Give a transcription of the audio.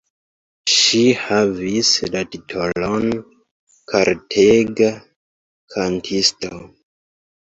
Ŝi havis la titolon "kortega kantisto".